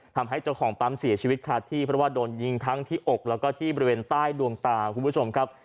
ทำให้เจ้าของปั๊มเสียชีวิตคาที่เพราะว่าโดนยิงทั้งที่อกแล้วก็ที่บริเวณใต้ดวงตาคุณผู้ชมครับ